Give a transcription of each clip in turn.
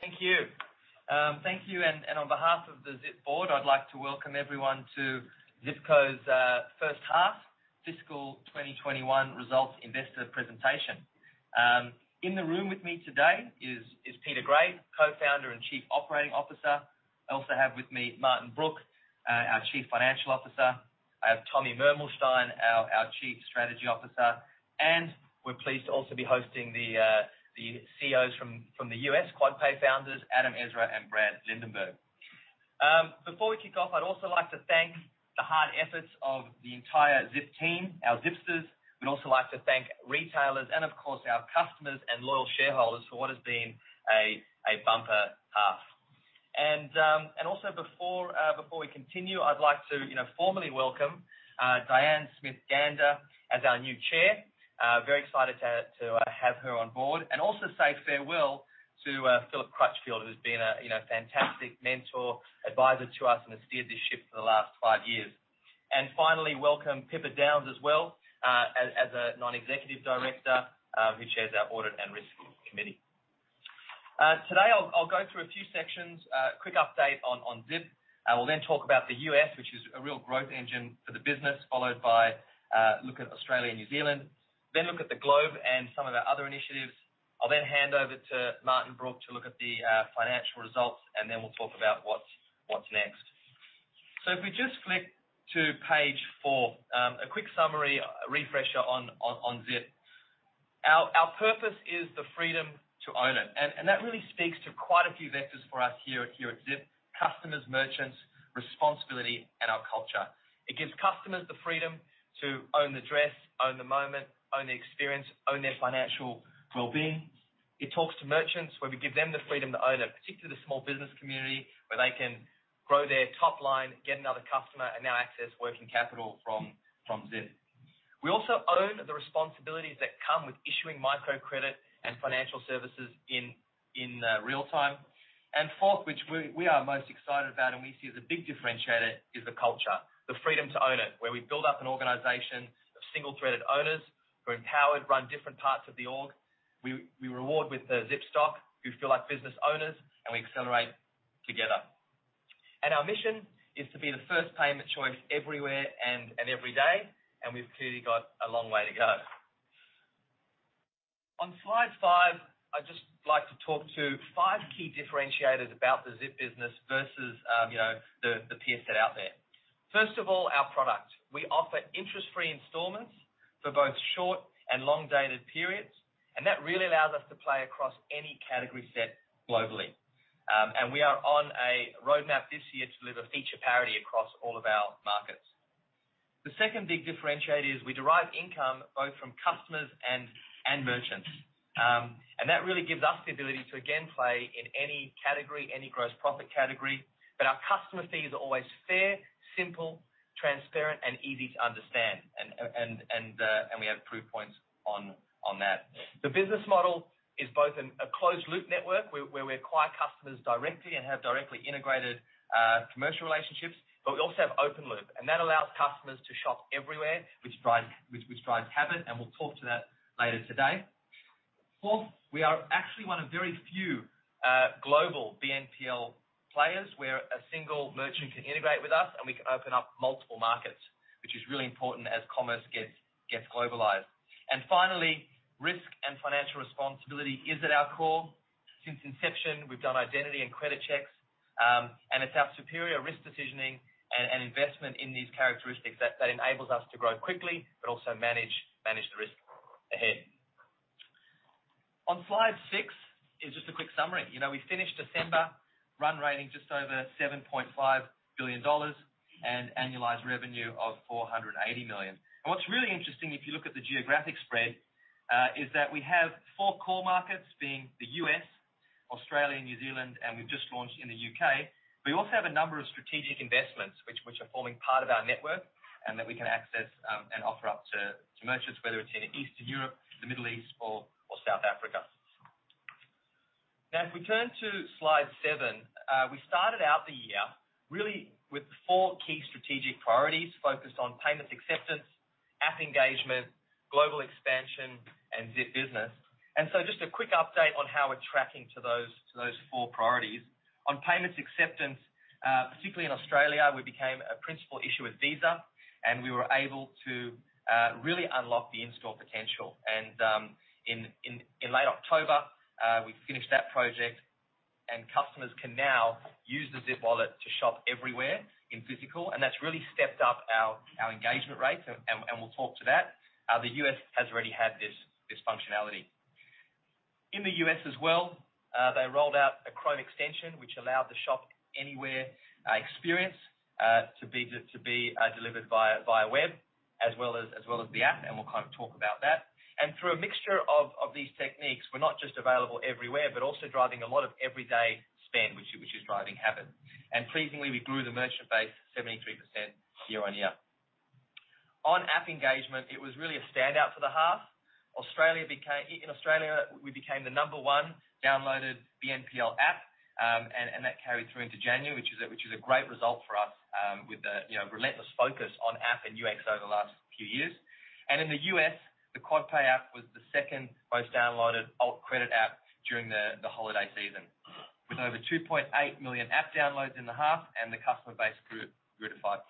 Thank you. Thank you, and on behalf of the Zip board, I'd like to welcome everyone to Zip Co's first half fiscal 2021 results investor presentation. In the room with me today is Peter Gray, Co-founder and Chief Operating Officer. I also have with me Martin Brooke, our Chief Financial Officer. I have Tommy Mermelshtayn, our Chief Strategy Officer, and we're pleased to also be hosting the CEOs from the U.S. QuadPay founders, Adam Ezra and Brad Lindenberg. Before we kick off, I'd also like to thank the hard efforts of the entire Zip team, our Zipsters. We'd also like to thank retailers and, of course, our customers and loyal shareholders for what has been a bumper half. Also before we continue, I'd like to formally welcome Diane Smith-Gander as our new Chair. Very excited to have her on board and also say farewell to Philip Crutchfield, who's been a fantastic mentor, advisor to us, and has steered this ship for the last five years. Finally, welcome Pippa Downes as well, as a non-executive director, who chairs our audit and risk committee. Today, I'll go through a few sections, a quick update on Zip. I will then talk about the U.S., which is a real growth engine for the business, followed by a look at Australia and New Zealand, then look at the globe and some of our other initiatives. I'll then hand over to Martin Brooke to look at the financial results, and then we'll talk about what's next. If we just flick to page four, a quick summary refresher on Zip. Our purpose is the freedom to own it, that really speaks to quite a few vectors for us here at Zip, customers, merchants, responsibility, and our culture. It gives customers the freedom to own the dress, own the moment, own the experience, own their financial well-being. It talks to merchants, where we give them the freedom to own it, particularly the small business community, where they can grow their top line, get another customer, and now access working capital from Zip. We also own the responsibilities that come with issuing microcredit and financial services in real-time. Fourth, which we are most excited about and we see as a big differentiator, is the culture, the freedom to own it, where we build up an organization of single-threaded owners who are empowered, run different parts of the org. We reward with Zip stock, who feel like business owners, we accelerate together. Our mission is to be the first payment choice everywhere and every day, and we've clearly got a long way to go. On slide five, I'd just like to talk to five key differentiators about the Zip business versus the peer set out there. First of all, our product. We offer interest-free installments for both short and long-dated periods, and that really allows us to play across any category set globally. We are on a roadmap this year to deliver feature parity across all of our markets. The second big differentiator is we derive income both from customers and merchants. That really gives us the ability to, again, play in any category, any gross profit category. Our customer fees are always fair, simple, transparent, and easy to understand. We have proof points on that. The business model is both a closed-loop network where we acquire customers directly and have directly integrated commercial relationships. We also have open loop. That allows customers to shop everywhere, which drives habit. We'll talk to that later today. Fourth, we are actually one of very few global BNPL players where a single merchant can integrate with us and we can open up multiple markets, which is really important as commerce gets globalized. Finally, risk and financial responsibility is at our core. Since inception, we've done identity and credit checks. It's our superior risk decisioning and investment in these characteristics that enables us to grow quickly but also manage the risk ahead. On slide six is just a quick summary. We finished December run rating just over 7.5 billion dollars and annualized revenue of 480 million. What's really interesting, if you look at the geographic spread, is that we have four core markets, being the U.S., Australia, New Zealand, and we've just launched in the U.K. We also have a number of strategic investments, which are forming part of our network and that we can access and offer up to merchants, whether it's in Eastern Europe, the Middle East, or South Africa. If we turn to slide seven, we started out the year really with four key strategic priorities focused on payments acceptance, app engagement, global expansion, and Zip Business. Just a quick update on how we're tracking to those four priorities. On payments acceptance, particularly in Australia, we became a principal issuer with Visa, and we were able to really unlock the in-store potential. In late October, we finished that project, customers can now use the Zip wallet to shop everywhere in physical, that's really stepped up our engagement rates, we'll talk to that. The U.S. has already had this functionality. In the U.S. as well, they rolled out a Chrome extension, which allowed the shop anywhere experience to be delivered via web as well as the app, we'll talk about that. Through a mixture of these techniques, we're not just available everywhere but also driving a lot of everyday spend, which is driving habit. Pleasingly, we grew the merchant base 73% year-over-year. On app engagement, it was really a standout for the half. In Australia, we became the number one downloaded BNPL app, and that carried through into January, which is a great result for us with the relentless focus on app and UX over the last few years. In the U.S., the QuadPay app was the second most downloaded alt credit app during the holiday season, with over 2.8 million app downloads in the half and the customer base grew to 5.7.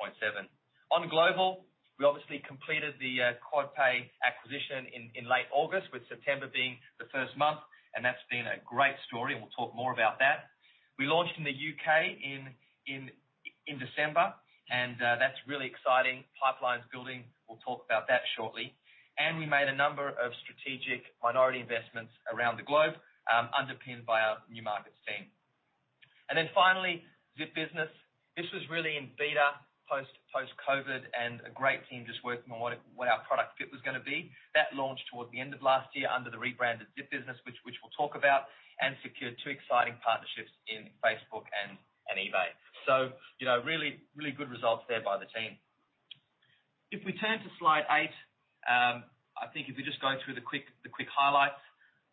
On global, we obviously completed the QuadPay acquisition in late August, with September being the first month, and that's been a great story, and we'll talk more about that. We launched in the U.K. in December, and that's really exciting. Pipelines building, we'll talk about that shortly. We made a number of strategic minority investments around the globe, underpinned by our new markets team. Finally, Zip Business. This was really in beta post-COVID and a great team just working on what our product fit was going to be. That launched towards the end of last year under the rebranded Zip Business, which we'll talk about, secured two exciting partnerships in Facebook and eBay. Really good results there by the team. If we turn to slide eight, I think if we just go through the quick highlights.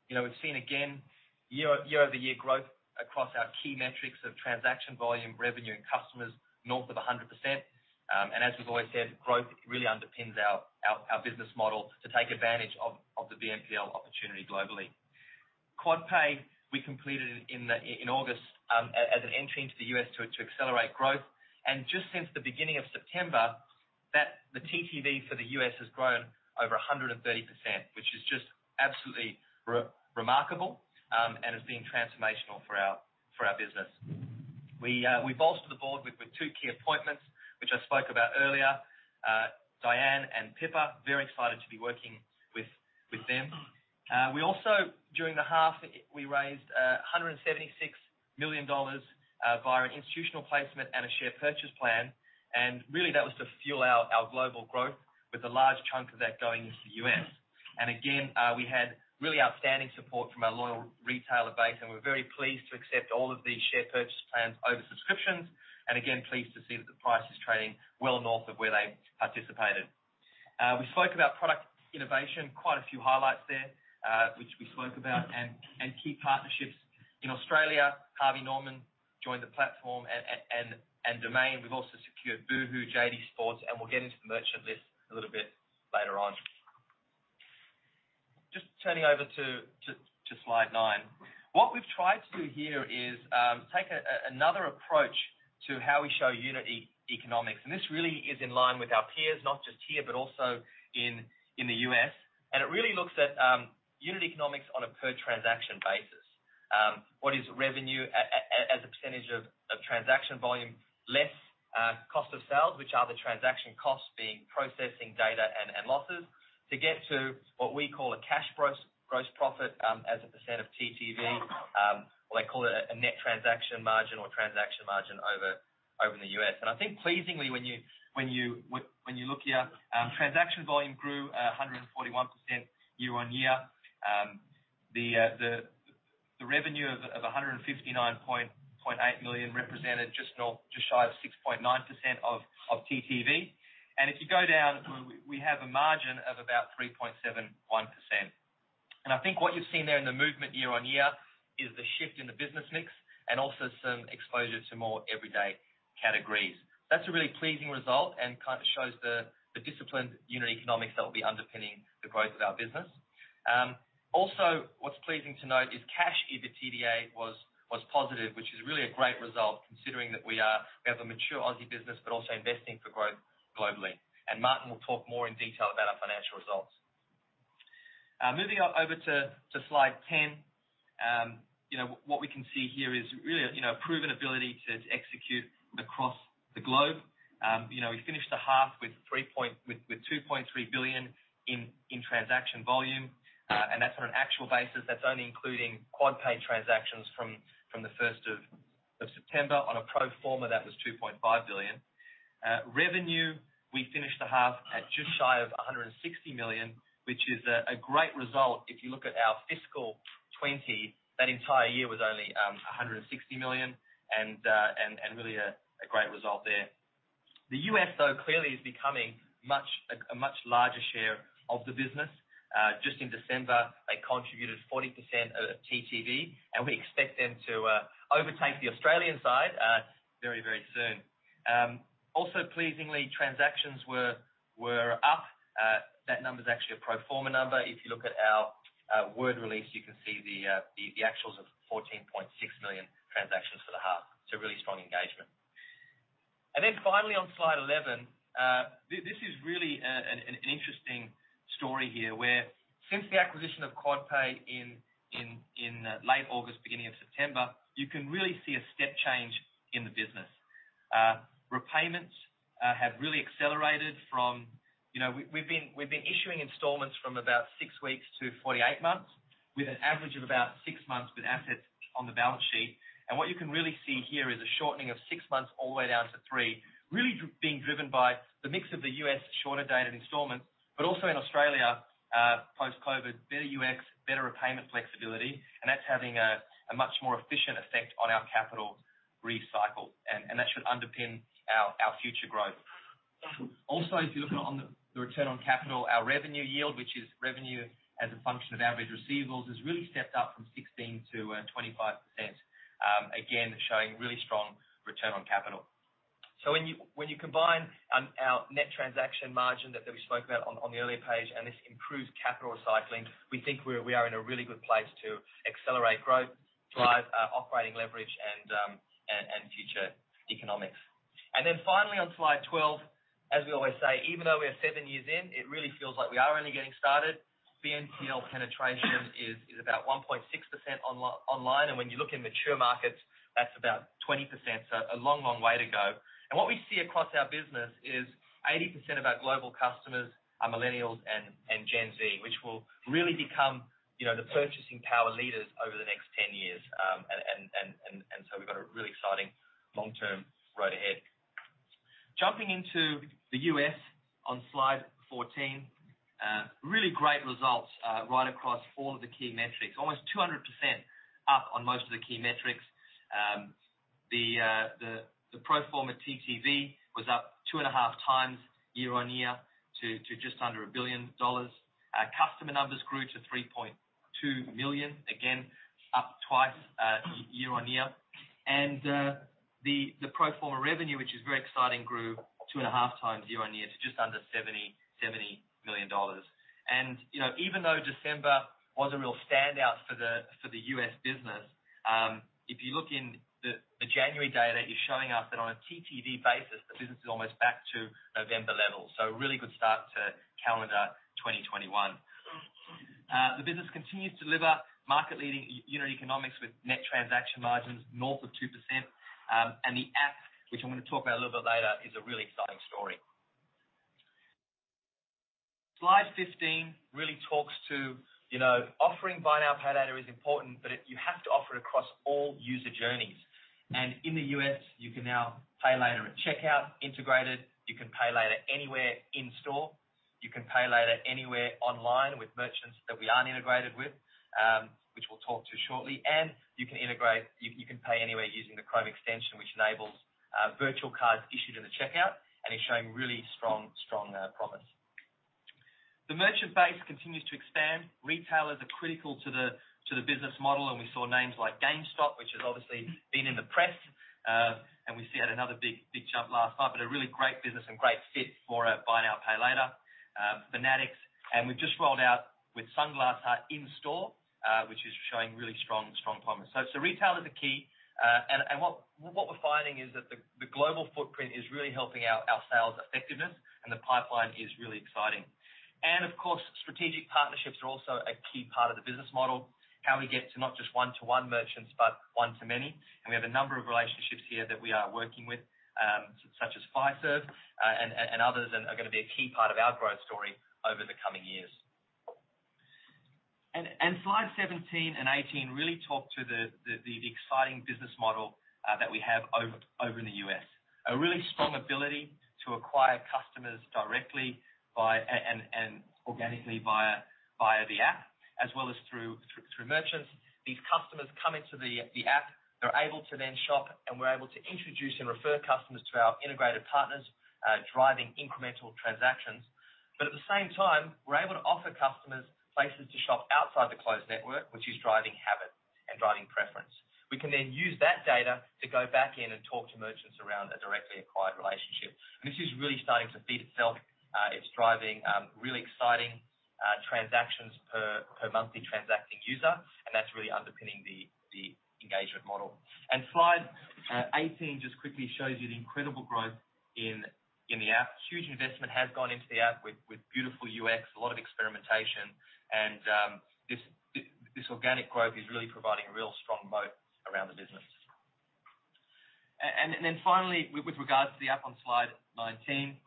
We've seen again, year-over-year growth across our key metrics of transaction volume, revenue, and customers north of 100%. As we've always said, growth really underpins our business model to take advantage of the BNPL opportunity globally. QuadPay, we completed in August as an entry into the U.S. to accelerate growth. Just since the beginning of September, the TTV for the U.S. has grown over 130%, which is just absolutely remarkable, and has been transformational for our business. We bolstered the board with two key appointments, which I spoke about earlier, Diane and Pippa. Very excited to be working with them. We also, during the half, we raised 176 million dollars via an institutional placement and a share purchase plan. Really that was to fuel our global growth with a large chunk of that going into the U.S. Again, we had really outstanding support from our loyal retailer base. We're very pleased to accept all of the share purchase plans over subscriptions. Again, pleased to see that the price is trading well north of where they participated. We spoke about product innovation, quite a few highlights there, which we spoke about, and key partnerships. In Australia, Harvey Norman joined the platform and Domain. We've also secured Boohoo, JD Sports, and we'll get into the merchant list a little bit later on. Just turning over to slide nine. What we've tried to do here is take another approach to how we show unit economics, and this really is in line with our peers, not just here, but also in the U.S. It really looks at unit economics on a per transaction basis. What is revenue as a percentage of transaction volume, less cost of sales, which are the transaction costs being processing data and losses, to get to what we call a cash gross profit as a percent of TTV. They call it a net transaction margin or transaction margin over in the U.S. I think pleasingly, when you look here, transaction volume grew 141% year-on-year. The revenue of 159.8 million represented just north, just shy of 6.9% of TTV. If you go down, we have a margin of about 3.71%. I think what you've seen there in the movement year-over-year is the shift in the business mix and also some exposure to more everyday categories. That's a really pleasing result and shows the disciplined unit economics that will be underpinning the growth of our business. Also, what's pleasing to note is cash EBITDA was positive, which is really a great result considering that we have a mature Aussie business, but also investing for growth globally. Martin will talk more in detail about our financial results. Moving over to slide 10. What we can see here is really a proven ability to execute across the globe. We finished the half with 2.3 billion in transaction volume. That's on an actual basis, that's only including QuadPay transactions from the 1st of September. On a pro forma, that was 2.5 billion. Revenue, we finished the half at just shy of 160 million, which is a great result. If you look at our fiscal 2020, that entire year was only 160 million and really a great result there. The U.S., though, clearly is becoming a much larger share of the business. Just in December, they contributed 40% of TTV, and we expect them to overtake the Australian side very, very soon. Also pleasingly, transactions were up. That number is actually a pro forma number. If you look at our word release, you can see the actuals of 14.6 million transactions for the half. Really strong engagement. Finally, on slide 11, this is really an interesting story here where since the acquisition of QuadPay in late August, beginning of September, you can really see a step change in the business. Repayments have really accelerated. We've been issuing installments from about six weeks to 48 months, with an average of about six months with assets on the balance sheet. What you can really see here is a shortening of six months all the way down to three, really being driven by the mix of the U.S. shorter dated installments, but also in Australia, post-COVID, better UX, better repayment flexibility, and that's having a much more efficient effect on our capital recycle, and that should underpin our future growth. Also, if you look on the return on capital, our revenue yield, which is revenue as a function of average receivables, has really stepped up from 16%-25%. Again, showing really strong return on capital. When you combine our net transaction margin that we spoke about on the earlier page and this improves capital recycling, we think we are in a really good place to accelerate growth, drive operating leverage, and future economics. Finally, on slide 12, as we always say, even though we are seven years in, it really feels like we are only getting started. BNPL penetration is about 1.6% online. When you look in mature markets, that's about 20%. A long way to go. What we see across our business is 80% of our global customers are millennials and Gen Z, which will really become the purchasing power leaders over the next 10 years. We've got a really exciting long-term road ahead. Jumping into the U.S. on slide 14. Really great results right across all of the key metrics. Almost 200% up on most of the key metrics. The pro forma TTV was up two and a half times year-on-year to just under 1 billion dollars. Our customer numbers grew to 3.2 million, again, up twice year-on-year. The pro forma revenue, which is very exciting, grew two and a half times year-on-year to just under 70 million dollars. Even though December was a real standout for the U.S. business, if you look in the January data, you're showing us that on a TTV basis, the business is almost back to November levels. A really good start to calendar 2021. The business continues to deliver market-leading unit economics with net transaction margins north of 2%. The app, which I'm going to talk about a little bit later, is a really exciting story. Slide 15 really talks to offering buy now, pay later is important, but you have to offer it across all user journeys. In the U.S., you can now pay later at checkout integrated. You can pay later anywhere in-store. You can pay later anywhere online with merchants that we aren't integrated with, which we'll talk to shortly. You can pay anywhere using the Chrome extension, which enables virtual cards issued in the checkout and is showing really strong promise. The merchant base continues to expand. Retailers are critical to the business model, and we saw names like GameStop, which has obviously been in the press. We see it had another big jump last time, but a really great business and great fit for a buy now, pay later. Fanatics. We've just rolled out with Sunglass Hut in store, which is showing really strong promise. Retail is a key. What we're finding is that the global footprint is really helping out our sales effectiveness, and the pipeline is really exciting. Of course, strategic partnerships are also a key part of the business model, how we get to not just one-to-one merchants, but one-to-many. We have a number of relationships here that we are working with, such as Fiserv and others, and are going to be a key part of our growth story over the coming years. Slide 17 and 18 really talk to the exciting business model that we have over in the U.S. A really strong ability to acquire customers directly and organically via the app as well as through merchants. These customers come into the app, they're able to then shop, and we're able to introduce and refer customers to our integrated partners, driving incremental transactions. At the same time, we're able to offer customers places to shop outside the closed network, which is driving habit and driving preference. We can then use that data to go back in and talk to merchants around a directly acquired relationship. This is really starting to feed itself. It's driving really exciting transactions per monthly transacting user, and that's really underpinning the engagement model. Slide 18 just quickly shows you the incredible growth in the app. Huge investment has gone into the app with beautiful UX, a lot of experimentation. This organic growth is really providing a real strong moat around the business. Finally, with regards to the app on slide 19,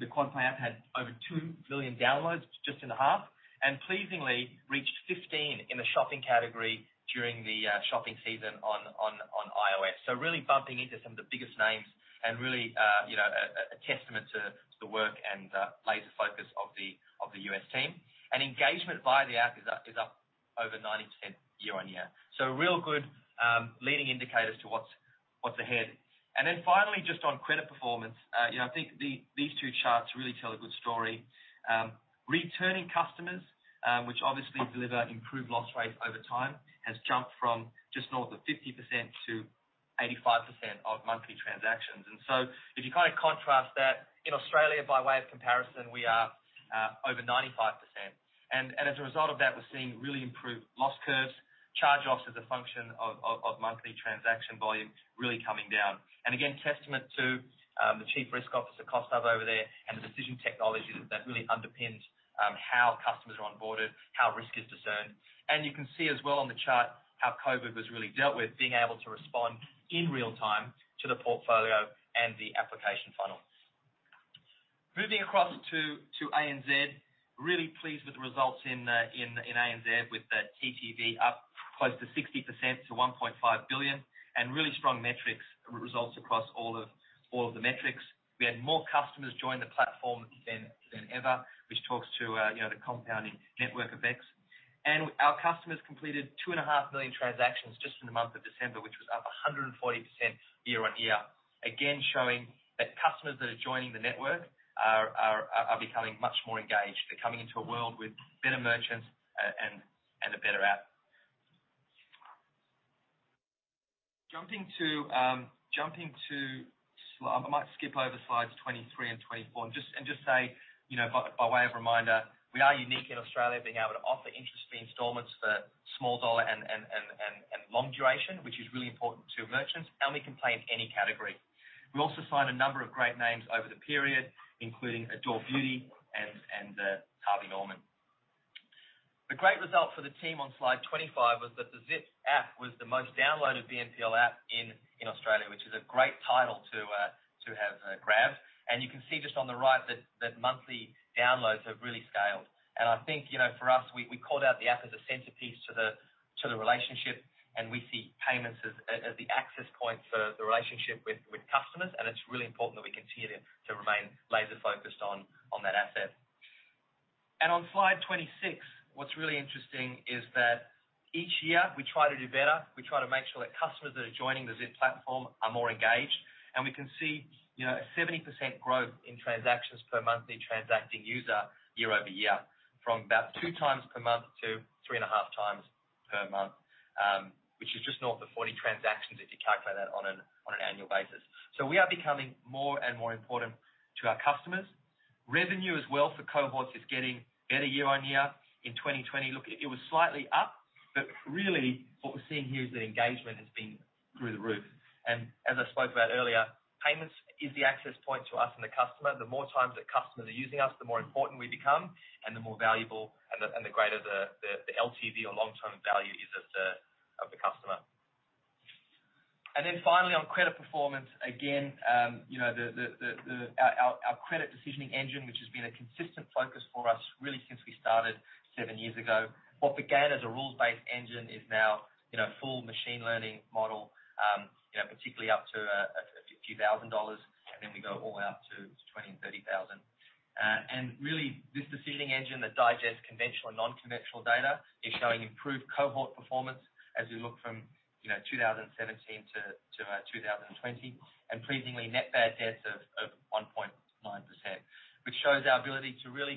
the QuadPay app had over 2 million downloads just in a half, and pleasingly reached 15 in the shopping category during the shopping season on iOS. Really bumping into some of the biggest names and really a testament to the work and laser focus of the U.S. team. Engagement via the app is up over 90% year-on-year. Real good leading indicators to what's ahead. Finally, just on credit performance. I think these two charts really tell a good story. Returning customers, which obviously deliver improved loss rates over time, has jumped from just north of 50%-85% of monthly transactions. If you contrast that, in Australia, by way of comparison, we are over 95%. As a result of that, we're seeing really improved loss curves, charge-offs as a function of monthly transaction volume really coming down. Again, testament to the Chief Risk Officer, Kaustubh, over there and the decision technology that really underpins how customers are onboarded, how risk is discerned. You can see as well on the chart how COVID was really dealt with, being able to respond in real time to the portfolio and the application funnel. Moving across to ANZ. Really pleased with the results in ANZ with the TTV up close to 60% to 1.5 billion, and really strong results across all of the metrics. We had more customers join the platform than ever, which talks to the compounding network effects. Our customers completed two and a half million transactions just in the month of December, which was up 140% year-on-year. Again, showing that customers that are joining the network are becoming much more engaged. They're coming into a world with better merchants. I might skip over slides 23 and 24 and just say, by way of reminder, we are unique in Australia being able to offer interest-free installments for small dollar and long duration, which is really important to merchants, and we can play in any category. We also signed a number of great names over the period, including Adore Beauty and Harvey Norman. A great result for the team on slide 25 was that the Zip app was the most downloaded BNPL app in Australia, which is a great title to have grabbed. You can see just on the right that monthly downloads have really scaled. I think, for us, we called out the app as a centerpiece to the relationship, and we see payments as the access point for the relationship with customers. It's really important that we continue to remain laser-focused on that asset. On slide 26, what's really interesting is that each year we try to do better. We try to make sure that customers that are joining the Zip platform are more engaged. We can see a 70% growth in transactions per monthly transacting user year-over-year, from about two times per month to three and a half times per month, which is just north of 40 transactions if you calculate that on an annual basis. We are becoming more and more important to our customers. Revenue as well for cohorts is getting better year-on-year. In 2020, look, it was slightly up, but really what we're seeing here is that engagement has been through the roof. As I spoke about earlier, payments is the access point to us and the customer. The more times that customers are using us, the more important we become, and the more valuable and the greater the LTV or long-term value is of the customer. Finally, on credit performance, again, our credit decisioning engine, which has been a consistent focus for us really since we started seven years ago. What began as a rules-based engine is now full machine learning model, particularly up to a few thousand dollars, we go all out to 20,000 and 30,000. Really, this decisioning engine that digests conventional and non-conventional data is showing improved cohort performance as we look from 2017 to 2020. Pleasingly, net bad debts of 1.9%, which shows our ability to really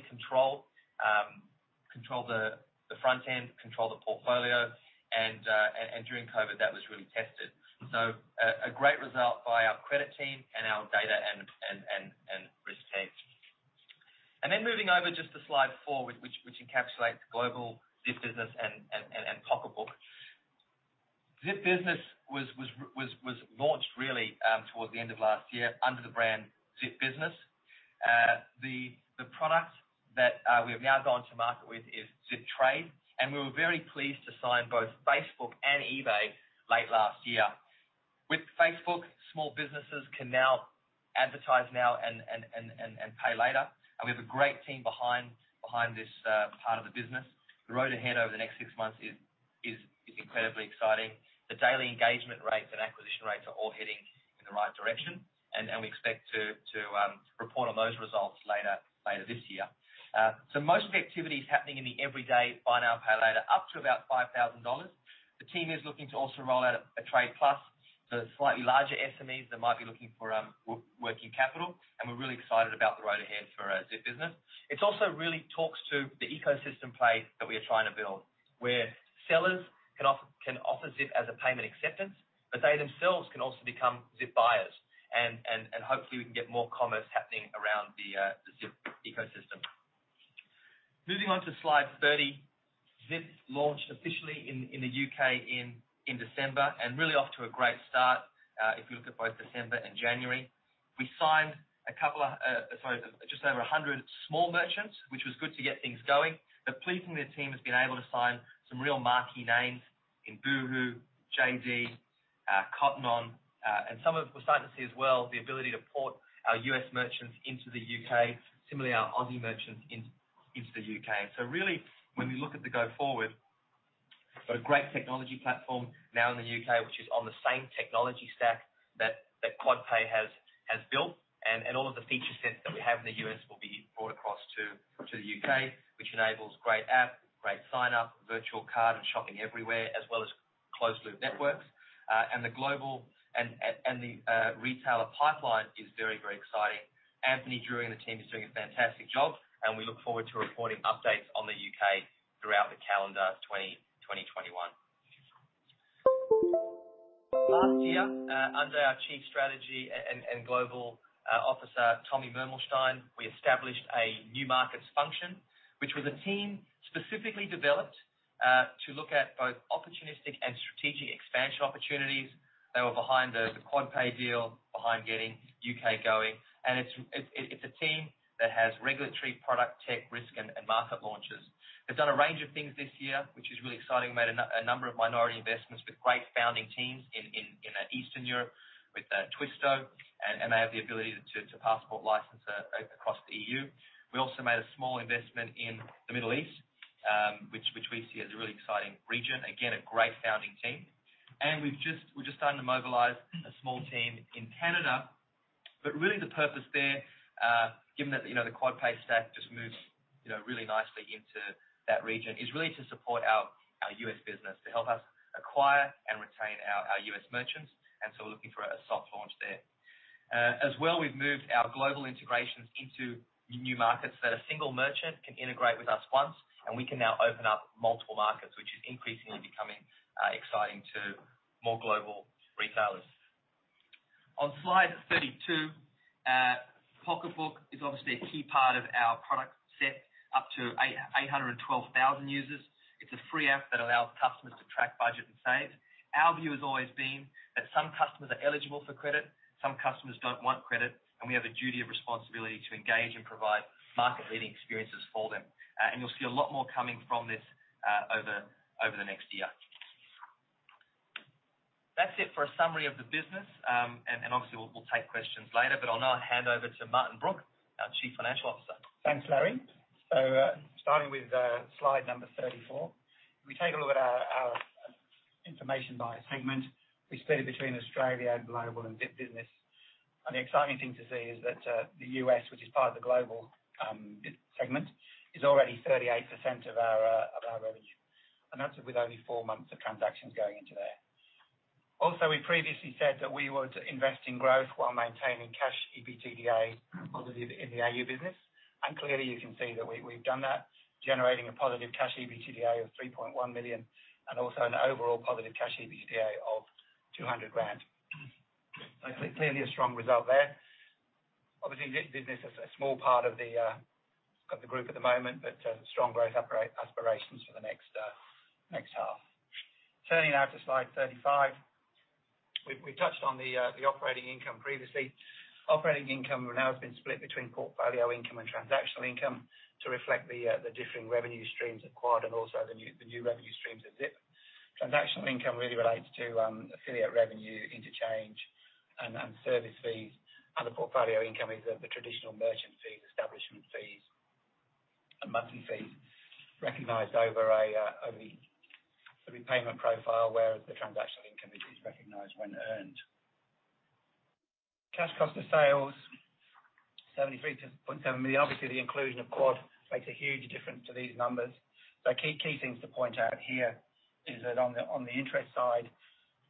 control the front end, control the portfolio, and during COVID, that was really tested. A great result by our credit team and our data and risk teams. Moving over just to slide four, which encapsulates global Zip Business and Pocketbook. Zip Business was launched really towards the end of last year under the brand Zip Business. The product that we have now gone to market with is Zip Business Trade, and we were very pleased to sign both Facebook and eBay late last year. With Facebook, small businesses can now advertise now and pay later. We have a great team behind this part of the business. The road ahead over the next six months is incredibly exciting. The daily engagement rates and acquisition rates are all heading in the right direction, and we expect to report on those results later this year. Most of the activity is happening in the everyday buy now, pay later, up to about 5,000 dollars. The team is looking to also roll out a Trade Plus, so slightly larger SMEs that might be looking for working capital. We're really excited about the road ahead for Zip Business. It also really talks to the ecosystem play that we are trying to build, where sellers can offer Zip as a payment acceptance, but they themselves can also become Zip buyers, and hopefully, we can get more commerce happening around the Zip ecosystem. Moving on to slide 30, Zip launched officially in the U.K. in December and really off to a great start if you look at both December and January. We signed a couple of, sorry, just over 100 small merchants, which was good to get things going. Pleasingly, the team has been able to sign some real marquee names in Boohoo, JD, Cotton On, and We're starting to see as well the ability to port our U.S. merchants into the U.K., similarly, our Aussie merchants into the U.K. Really, when we look at the go forward, we've got a great technology platform now in the U.K., which is on the same technology stack that QuadPay has built, and all of the feature sets that we have in the U.S. will be brought across to the U.K., which enables great app, great sign-up, virtual card, and shopping everywhere, as well as closed-loop networks. The global and the retailer pipeline is very, very exciting. Anthony Drury and the team is doing a fantastic job, and we look forward to reporting updates on the U.K. throughout the calendar 2021. Last year, under our Chief Strategy and Global Officer, Tommy Mermelshtayn, we established a new markets function, which was a team specifically developed to look at both opportunistic and strategic expansion opportunities. They were behind the QuadPay deal, behind getting U.K. going. It's a team that has regulatory product tech, risk, and market launches. They've done a range of things this year, which is really exciting. Made a number of minority investments with great founding teams in Eastern Europe with Twisto. They have the ability to passport license across the EU. We also made a small investment in the Middle East, which we see as a really exciting region. Again, a great founding team. We're just starting to mobilize a small team in Canada. Really the purpose there, given that the QuadPay stack just moves really nicely into that region, is really to support our U.S. business, to help us acquire and retain our U.S. merchants. We're looking for a soft launch there as well. We've moved our global integrations into new markets that a single merchant can integrate with us once, and we can now open up multiple markets, which is increasingly becoming exciting to more global retailers. On slide 32, Pocketbook is obviously a key part of our product set, up to 812,000 users. It's a free app that allows customers to track budget and save. Our view has always been that some customers are eligible for credit, some customers don't want credit, and we have a duty of responsibility to engage and provide market-leading experiences for them. You'll see a lot more coming from this over the next year. That's it for a summary of the business. Obviously, we'll take questions later. I'll now hand over to Martin Brooke, our Chief Financial Officer. Thanks, Larry. Starting with slide number 34. If we take a look at our information by segment, we split it between Australia, Global, and Zip Business. The exciting thing to see is that the U.S., which is part of the Global segment, is already 38% of our revenue. And that's with only four months of transactions going into there. We previously said that we would invest in growth while maintaining cash EBITDA positive in the AU business. Clearly, you can see that we've done that, generating a positive cash EBITDA of 3.1 million, and also an overall positive cash EBITDA of 200 grand. Clearly, a strong result there. Obviously, Zip Business is a small part of the group at the moment, but strong growth aspirations for the next half. Turning now to slide 35. We touched on the operating income previously. Operating income now has been split between portfolio income and transactional income to reflect the different revenue streams acquired and also the new revenue streams at Zip. Transactional income really relates to affiliate revenue, interchange, and service fees. The portfolio income is the traditional merchant fees, establishment fees, and monthly fees recognized over the repayment profile, whereas the transactional income is recognized when earned. Cash cost of sales, 73.7 million. Obviously, the inclusion of Quad makes a huge difference to these numbers. Key things to point out here is that on the interest side,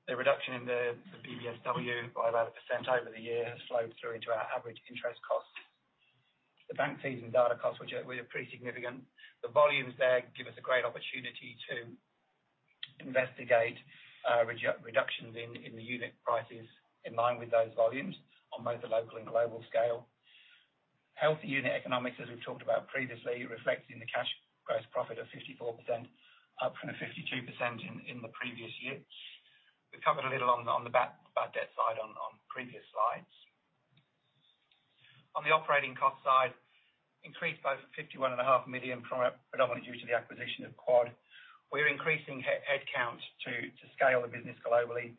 the reduction in the BBSW by about 8% over the year has flowed through into our average interest costs. The bank fees and data costs, which are really pretty significant. The volumes there give us a great opportunity to investigate reductions in the unit prices in line with those volumes on both the local and global scale. Healthy unit economics, as we've talked about previously, reflecting the cash gross profit of 54%, up from the 52% in the previous year. We've covered a little on the bad debt side on previous slides. On the operating cost side, increased by 51.5 million, predominantly due to the acquisition of Quad. We're increasing headcount to scale the business globally.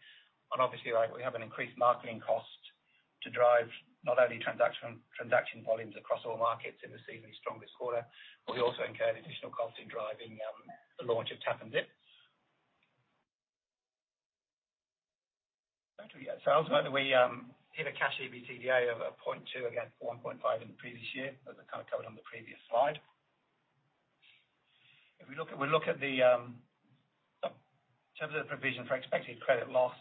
Obviously, we have an increased marketing cost to drive not only transaction volumes across all markets in a seasonally strongest quarter, but we also incurred additional costs in driving the launch of Tap & Zip. Ultimately, we hit a cash EBITDA of 0.2 against 1.5 in the previous year, as I kind of covered on the previous slide. If we look at the terms of the provision for expected credit loss,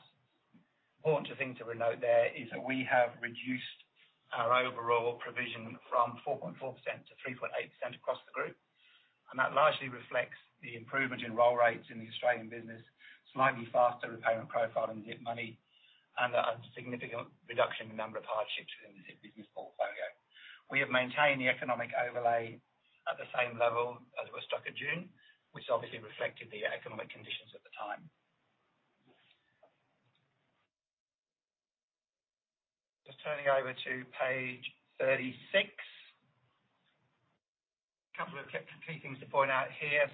important thing to note there is that we have reduced our overall provision from 4.4% to 3.8% across the group. That largely reflects the improvement in roll rates in the Australian business, slightly faster repayment profile in Zip Money, and a significant reduction in number of hardships in the business portfolio. We have maintained the economic overlay at the same level as we stuck at June, which obviously reflected the economic conditions at the time. Just turning over to page 36. Couple of key things to point out here.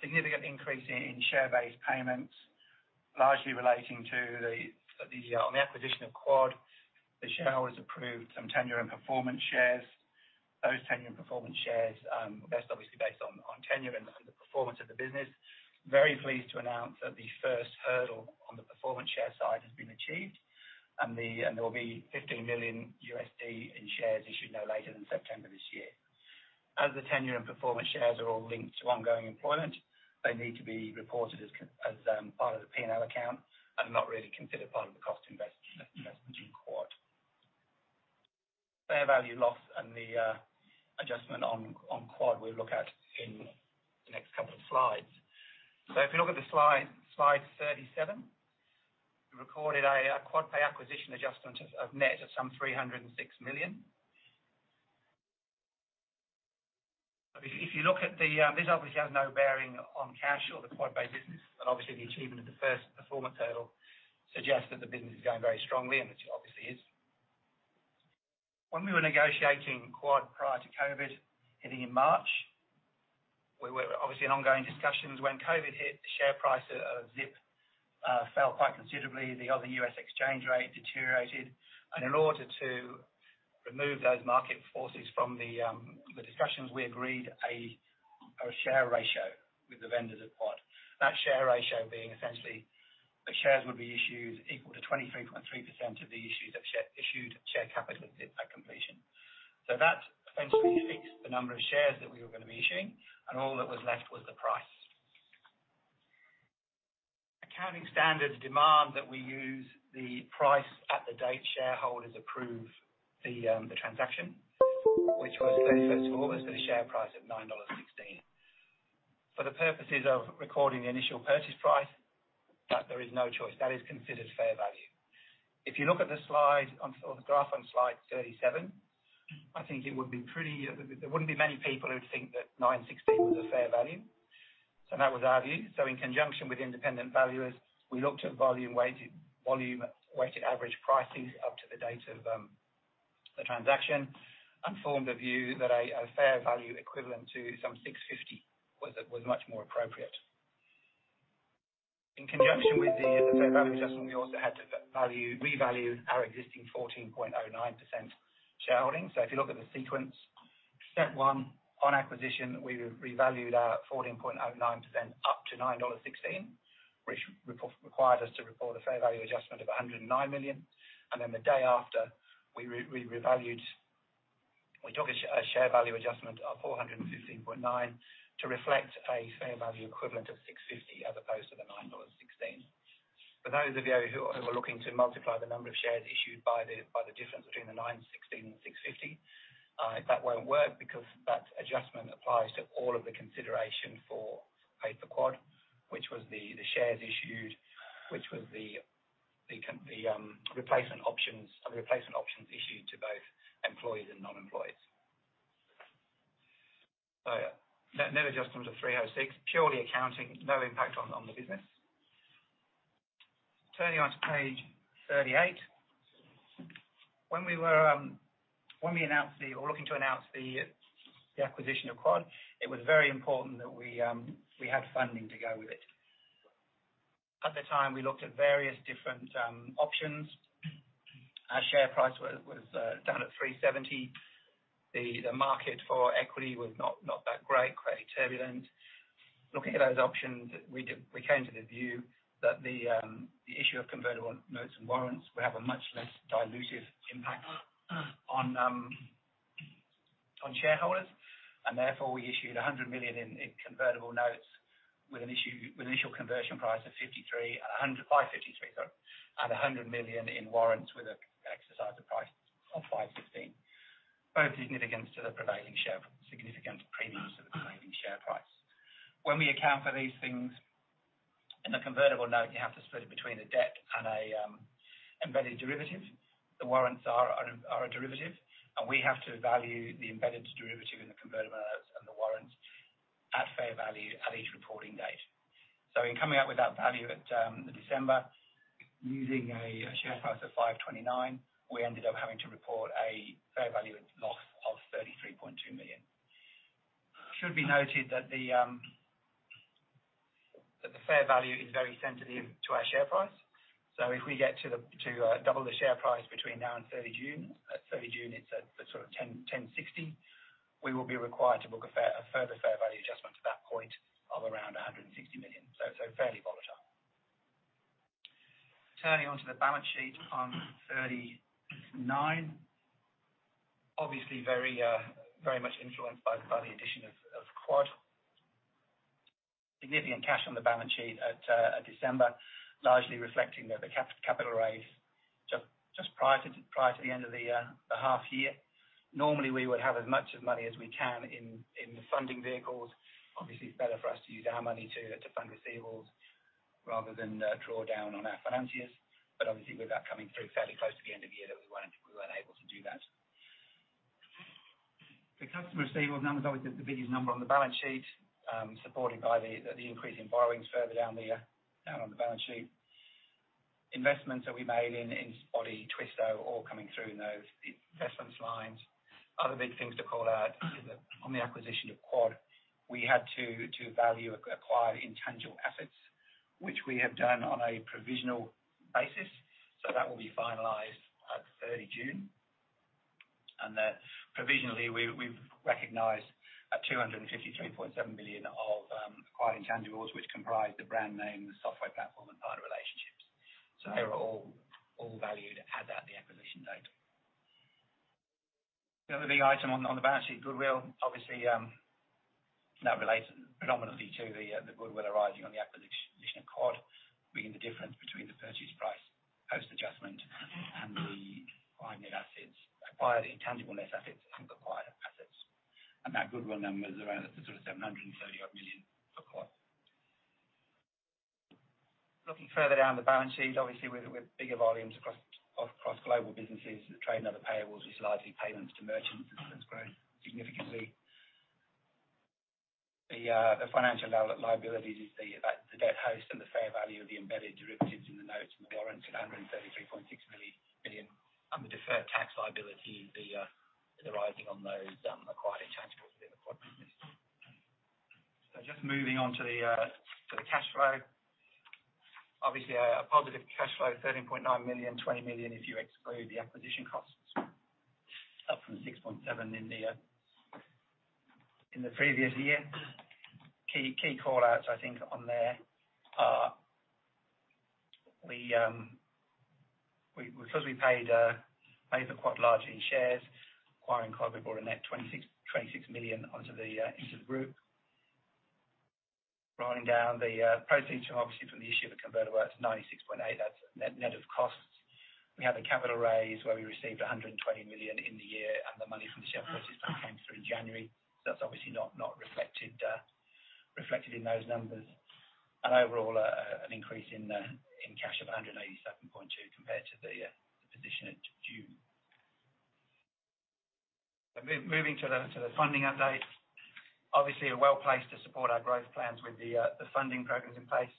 Significant increase in share-based payments, largely relating to the acquisition of Quad. The shareholders has approved some tenure and performance shares. Those tenure and performance shares, vest obviously based on tenure and the performance of the business. Very pleased to announce that the first hurdle on the performance share side has been achieved. There will be $15 million in shares issued no later than September this year. As the tenure and performance shares are all linked to ongoing employment, they need to be reported as part of the P&L account and not really considered part of the cost investment in Quad. Fair value loss and the adjustment on Quad, we'll look at in the next couple of slides. If you look at slide 37, we recorded a QuadPay acquisition adjustment of net of some 306 million. This obviously has no bearing on cash or the QuadPay business. Obviously, the achievement of the first performance hurdle suggests that the business is going very strongly, and it obviously is. When we were negotiating Quad prior to COVID hitting in March, we were obviously in ongoing discussions. When COVID hit, the share price of Zip fell quite considerably. The other U.S. exchange rate deteriorated. In order to remove those market forces from the discussions, we agreed a share ratio with the vendors at Quad. That share ratio being essentially the shares would be issued equal to 23.3% of the issued share capital at completion. That essentially fixed the number of shares that we were going to be issuing, and all that was left was the price. Accounting standards demand that we use the price at the date shareholders approve the transaction, which was 31st of August at a share price of 9.16 dollars. For the purposes of recording the initial purchase price, that there is no choice. That is considered fair value. If you look at the graph on slide 37, I think there wouldn't be many people who'd think that 9.16 was a fair value. That was our view. In conjunction with independent valuers, we looked at volume weighted average pricing up to the date of the transaction and formed a view that a fair value equivalent to some 6.50 was much more appropriate. In conjunction with the fair value adjustment, we also had to revalue our existing 14.09% shareholding. If you look at the sequence, step one, on acquisition, we revalued our 14.09% up to 9.16 dollars, which required us to report a fair value adjustment of 109 million. The day after, we took a share value adjustment of 415.9 to reflect a fair value equivalent of 6.50 as opposed to the 9.16 dollars. For those of you who are looking to multiply the number of shares issued by the difference between the 9.16 and 6.50, that won't work because that adjustment applies to all of the consideration for paid for Quad, which was the shares issued, which was the replacement options issued to both employees and non-employees. Net adjustment of 306, purely accounting, no impact on the business. Turning on to page 38. When we were looking to announce the acquisition of Quad, it was very important that we had funding to go with it. At the time, we looked at various different options. Our share price was down at 3.70. The market for equity was not that great, quite turbulent. Looking at those options, we came to the view that the issue of convertible notes and warrants would have a much less dilutive impact on shareholders. Therefore, we issued 100 million in convertible notes with an initial conversion price of 5.53, and 100 million in warrants with an exercise price of 5.15. Both significant premiums to the prevailing share price. When we account for these things, in the convertible note, you have to split it between a debt and a embedded derivative. The warrants are a derivative. We have to value the embedded derivative and the convertible notes and the warrants at fair value at each reporting date. In coming up with that value at December, using a share price of 5.29, we ended up having to report a fair value loss of 33.2 million. It should be noted that the fair value is very sensitive to our share price. If we get to double the share price between now and 30 June at 30 June, it's at sort of 10.60, we will be required to book a further fair value adjustment at that point of around 160 million. Fairly volatile. Turning on to the balance sheet on 39. Obviously very much influenced by the addition of Quad. Significant cash on the balance sheet at December, largely reflecting the capital raise just prior to the end of the half year. Normally, we would have as much money as we can in the funding vehicles. Obviously, it's better for us to use our money to fund receivables rather than draw down on our financiers. Obviously, with that coming through fairly close to the end of the year, that we weren't able to do that. The customer receivables number is obviously the biggest number on the balance sheet, supported by the increase in borrowings further down on the balance sheet. Investments that we made in Spotii, Twisto, all coming through in those investments lines. Other big things to call out on the acquisition of Quad, we had to value acquired intangible assets, which we have done on a provisional basis. That will be finalized at 30 June. That provisionally, we've recognized 253.7 million of acquired intangibles, which comprise the brand name, the software platform, and partner relationships. They were all valued at the acquisition date. The other big item on the balance sheet, goodwill. Obviously, that relates predominantly to the goodwill arising on the acquisition of Quad, being the difference between the purchase price, post-adjustment and the acquired intangible assets and the acquired assets. That goodwill number is around the sort of 730 odd million for Quad. Looking further down the balance sheet, obviously, with bigger volumes across global businesses, the trade and other payables is largely payments to merchants, it's grown significantly. The financial liabilities is the debt host and the fair value of the embedded derivatives in the notes and the warrants at 133.6 million, and the deferred tax liability arising on those acquired intangibles within the Quad business. Just moving on to the cash flow. Obviously, a positive cash flow, 13.9 million, 20 million if you exclude the acquisition costs. Up from 6.7 million in the previous year. Because we paid for quite largely in shares, acquiring [Carbon] brought a net 26 million into the group. Rolling down the proceeds, obviously, from the issue of the convertible, that's 96.8. That's net of costs. We had the capital raise where we received 120 million in the year, and the money from the share placement came through in January. That's obviously not reflected in those numbers. Overall, an increase in cash of 187.2 compared to the position at June. Moving to the funding update. Obviously, we're well-placed to support our growth plans with the funding programs in place.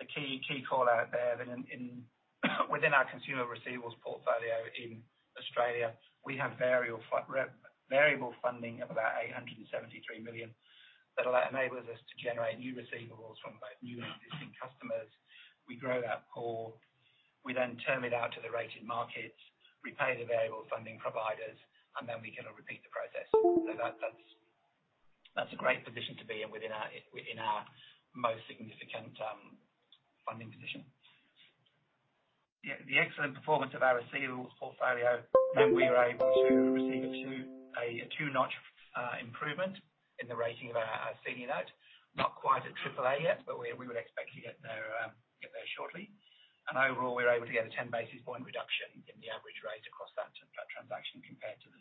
The key call-out there, within our consumer receivables portfolio in Australia, we have variable funding of about 873 million. That enables us to generate new receivables from both new and existing customers. We grow that core, we then term it out to the rated markets, repay the variable funding providers, we kind of repeat the process. That's a great position to be in within our most significant funding position. The excellent performance of our receivables portfolio meant we were able to receive a two-notch improvement in the rating of our senior note. Not quite at triple A yet, we would expect to get there shortly. Overall, we were able to get a 10-basis point reduction in the average rate across that transaction compared to the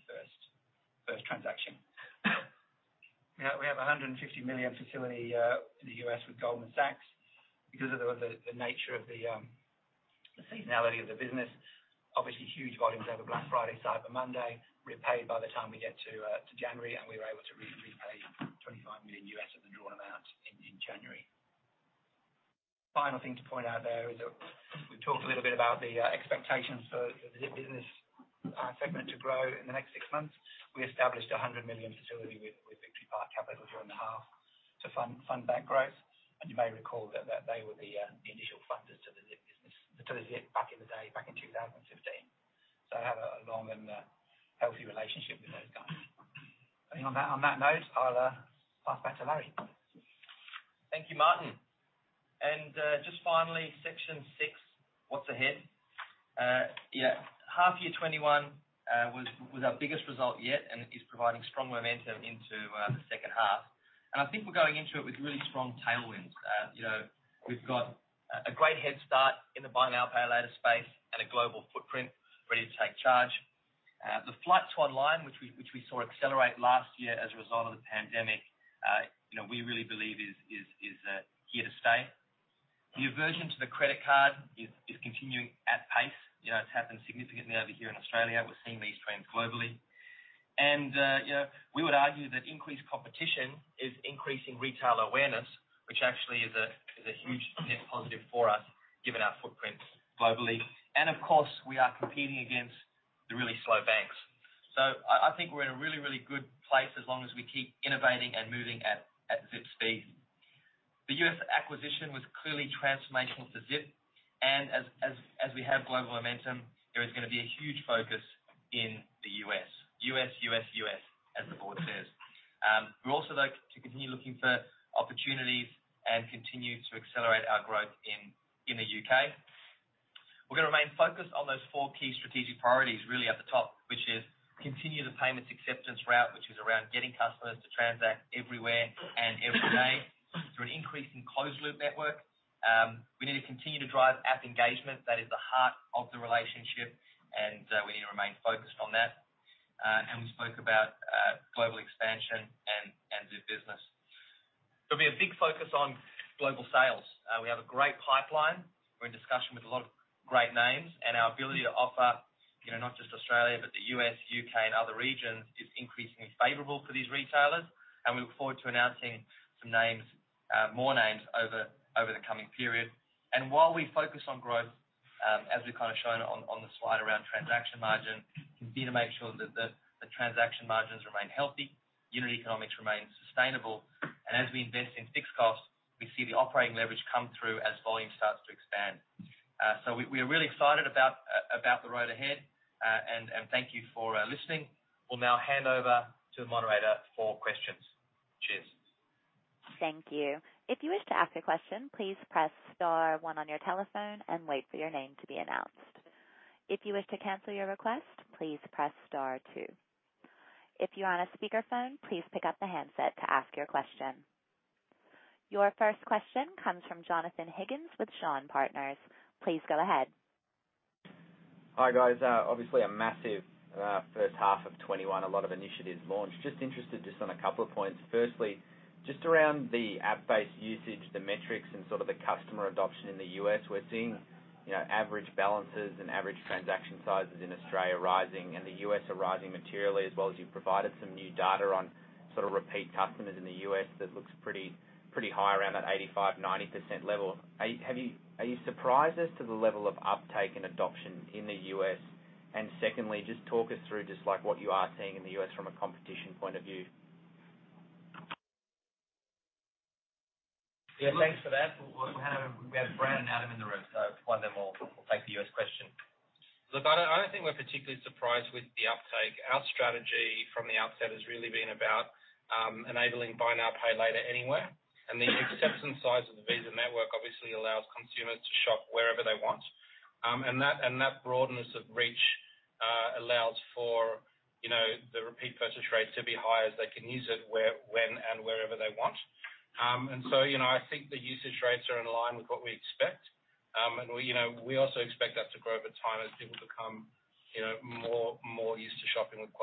first transaction. We have $150 million facility in the U.S. with Goldman Sachs. Because of the nature of the seasonality of the business, obviously huge volumes over Black Friday, Cyber Monday, repaid by the time we get to January, and we were able to repay $25 million of the drawn amount in January. Final thing to point out there is that we talked a little bit about the expectations for the Zip Business segment to grow in the next six months. We established an 100 million facility with Victory Park Capital, who are in the half, to fund that growth. You may recall that they were the initial funders to the Zip back in the day, back in 2015. We have a long and healthy relationship with those guys. On that note, I'll pass back to Larry. Thank you, Martin. Just finally, section six, what's ahead. Half year 2021 was our biggest result yet and is providing strong momentum into the second half. I think we're going into it with really strong tailwinds. We've got a great head start in the buy now, pay later space and a global footprint ready to take charge. The flight to online, which we saw accelerate last year as a result of the pandemic, we really believe is here to stay. The aversion to the credit card is continuing at pace. It's happened significantly over here in Australia. We're seeing these trends globally. We would argue that increased competition is increasing retail awareness, which actually is a huge net positive for us given our footprint globally. Of course, we are competing against the really slow banks. I think we're in a really, really good place as long as we keep innovating and moving at Zip speed. The U.S. acquisition was clearly transformational to Zip, and as we have global momentum, there is going to be a huge focus in the U.S. U.S., U.S., U.S., as the board says. We'd also like to continue looking for opportunities and continue to accelerate our growth in the U.K. We're going to remain focused on those four key strategic priorities really at the top, which is continue the payments acceptance route, which is around getting customers to transact everywhere and every day through an increase in closed loop network. We need to continue to drive app engagement. That is the heart of the relationship, and we need to remain focused on that. We spoke about global expansion and Zip Business. There'll be a big focus on global sales. We have a great pipeline. We're in discussion with a lot of great names, and our ability to offer, not just Australia, but the U.S., U.K., and other regions, is increasingly favorable for these retailers, and we look forward to announcing more names over the coming period. While we focus on growth, as we've shown on the slide around transaction margin, continue to make sure that the transaction margins remain healthy, unit economics remain sustainable. As we invest in fixed costs, we see the operating leverage come through as volume starts to expand. We're really excited about the road ahead, and thank you for listening. We'll now hand over to the moderator for questions. Cheers. Thank you. If you wish to ask a question, please press star one on your telephone and wait for your name to be announced. If you wish to cancel your request, please press star two. If you are on a speakerphone, please pick up the handset to ask your question. Your first question comes from Jonathon Higgins with Shaw and Partners. Please go ahead. Hi, guys. Obviously, a massive first half of 2021. A lot of initiatives launched. Just interested on a couple of points. Firstly, just around the app-based usage, the metrics, and sort of the customer adoption in the U.S. We're seeing average balances and average transaction sizes in Australia rising and the U.S. are rising materially as well as you've provided some new data on sort of repeat customers in the U.S. that looks pretty high around that 85%-90% level. Are you surprised as to the level of uptake and adoption in the U.S.? Secondly, just talk us through like what you are seeing in the U.S. from a competition point of view. Yeah, thanks for that. We have Brad and Adam in the room, so one of them will take the U.S. question. I don't think we're particularly surprised with the uptake. Our strategy from the outset has really been about enabling buy now, pay later anywhere The acceptance size of the Visa network obviously allows consumers to shop wherever they want. That broadness of reach allows for the repeat purchase rate to be high, as they can use it when and wherever they want. I think the usage rates are in line with what we expect. We also expect that to grow over time as people become more used to shopping with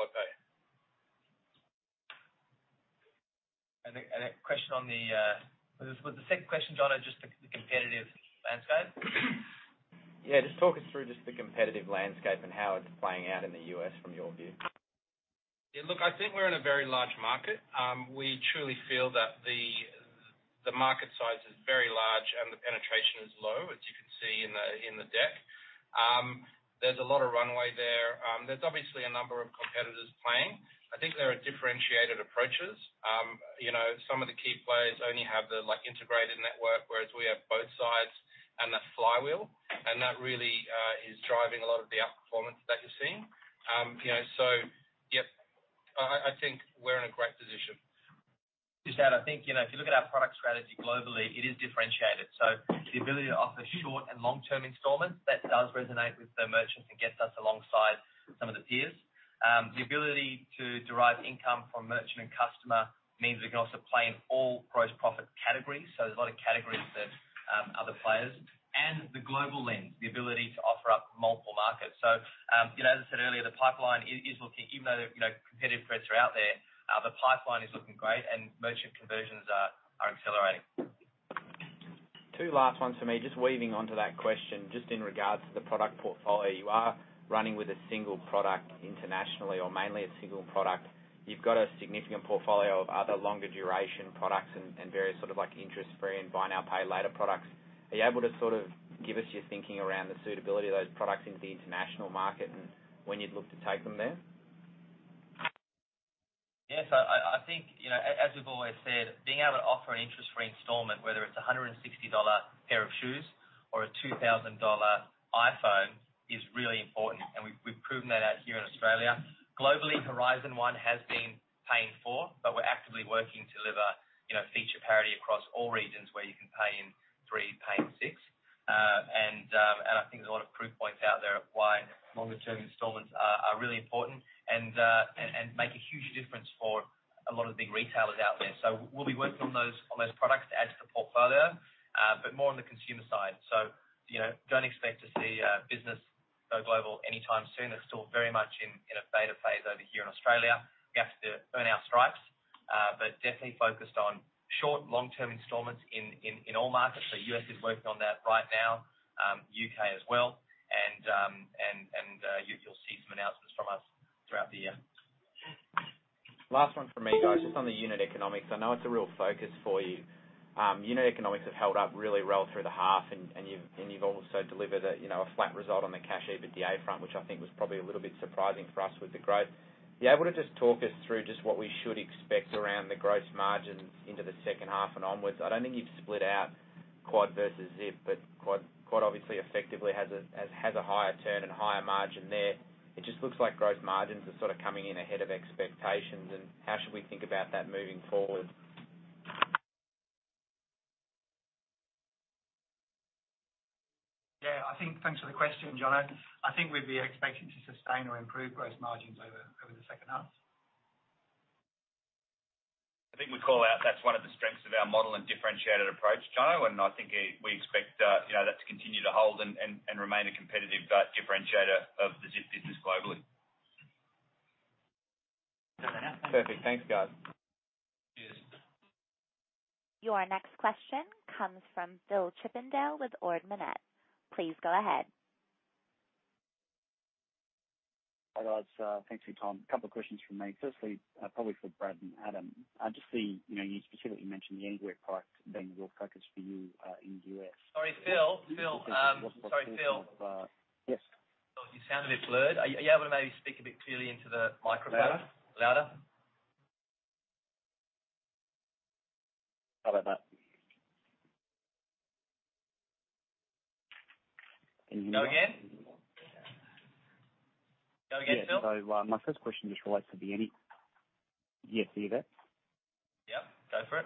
QuadPay. The second question, Jono, just the competitive landscape? Yeah. Just talk us through just the competitive landscape and how it's playing out in the U.S. from your view? Yeah, look, I think we're in a very large market. We truly feel that the market size is very large and the penetration is low, as you can see in the deck. There's a lot of runway there. There's obviously a number of competitors playing. I think there are differentiated approaches. Some of the key players only have the integrated network, whereas we have both sides and the flywheel. That really is driving a lot of the outperformance that you're seeing. Yeah, I think we're in a great position. Just to add, I think, if you look at our product strategy globally, it is differentiated. The ability to offer short and long-term installments, that does resonate with the merchants and gets us alongside some of the peers. The ability to derive income from merchant and customer means we can also play in all gross profit categories, so there's a lot of categories versus other players. The global lens, the ability to offer up multiple markets. As I said earlier, even though competitive threats are out there, the pipeline is looking great and merchant conversions are accelerating. Two last ones from me, just weaving onto that question, just in regards to the product portfolio. You are running with a single product internationally or mainly a single product. You've got a significant portfolio of other longer duration products and various interest-free and buy now, pay later products. Are you able to give us your thinking around the suitability of those products into the international market and when you'd look to take them there? Yes. I think, as we've always said, being able to offer an interest-free installment, whether it's 160 dollar pair of shoes or a 2,000 dollar iPhone, is really important. We've proven that out here in Australia. Globally, Horizon One has been pay in 4. We're actively working to deliver feature parity across all regions where you can pay in 3, pay in 6. I think there's a lot of proof points out there of why longer-term installments are really important and make a huge difference for a lot of big retailers out there. We'll be working on those products to add to the portfolio, but more on the consumer side. Don't expect to see Business go global anytime soon. It's still very much in a beta phase over here in Australia. We have to earn our stripes. Definitely focused on short and long-term installments in all markets. U.S. is working on that right now, U.K. as well. You'll see some announcements from us throughout the year. Last one from me, guys. Just on the unit economics, I know it's a real focus for you. Unit economics have held up really well through the half, and you've also delivered a flat result on the cash EBITDA front, which I think was probably a little bit surprising for us with the growth. Are you able to just talk us through just what we should expect around the gross margins into the second half and onwards? I don't think you've split out Quad versus Zip, but Quad obviously effectively has a higher turn and higher margin there. It just looks like gross margins are coming in ahead of expectations, and how should we think about that moving forward? Yeah. Thanks for the question, Jono. I think we'd be expecting to sustain or improve gross margins over the second half. I think we call out that's one of the strengths of our model and differentiated approach, Jono, and I think we expect that to continue to hold and remain a competitive differentiator of the Zip Co globally. Does that help? Perfect. Thanks, guys. Cheers. Your next question comes from Phil Chippendale with Ord Minnett. Please go ahead. Hi, guys. Thanks for your time. A couple of questions from me. Firstly, probably for Brad and Adam. I just see you specifically mentioned the Anywhere product being a real focus for you, in U.S. Sorry, Phil. Sorry, Phil. Yes. Phil, you sound a bit blurred. Are you able to maybe speak a bit clearly into the microphone? Louder? Louder. How about now? Go again. Go again, Phil. Yeah. My first question just relates to the. Yes, are you there? Yep. Go for it.